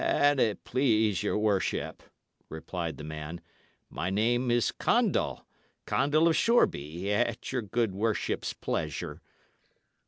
"An't please your worship," replied the man, "my name is Condall Condall of Shoreby, at your good worship's pleasure."